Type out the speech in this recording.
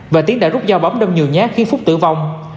và tiến đã rút dao bóng đông nhiều nhát khi phúc tử vong